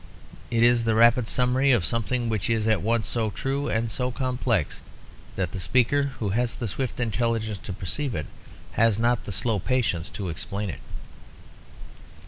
It is the rapid summary of something which is at once so true and so complex that the speaker who has the swift intelligence to perceive it, has not the slow patience to explain it.